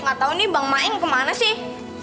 gak tau nih bank main kemana sih